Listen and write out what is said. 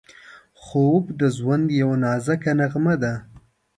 خوب د ژوند یوه نازکه نغمه ده